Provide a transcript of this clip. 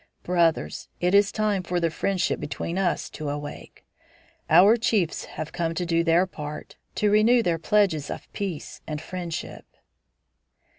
Brothers, it is time for the friendship between us to awake. Our chiefs have come to do their part, to renew their pledges of peace and friendship."